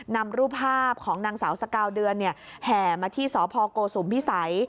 นำรูปภาพของนางสาวสกาวเดือนแห่มาที่สพโกสุมพิสัย